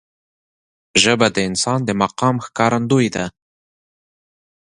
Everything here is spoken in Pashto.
ژبه د انسان د مقام ښکارندوی ده